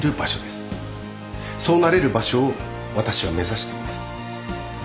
そうなれる場所を私は目指しています。